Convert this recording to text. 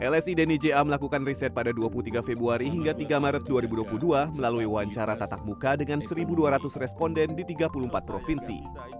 lsi dnija melakukan riset pada dua puluh tiga februari hingga tiga maret dua ribu dua puluh dua melalui wawancara tatap muka dengan satu dua ratus responden di tiga puluh empat provinsi